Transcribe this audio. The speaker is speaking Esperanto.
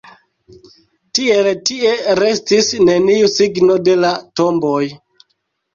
Tiel tie restis neniu signo de la tomboj.